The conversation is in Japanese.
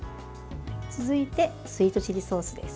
続いてスイートチリソースです。